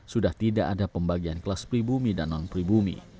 sudah tidak ada pembagian kelas pribumi dan non pribumi